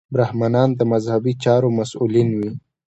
برهمنان د مذهبي چارو مسوولین وو.